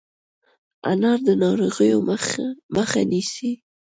انار د ناروغیو مخه نیسي.